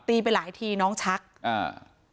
ไปหลายทีน้องชักอ่า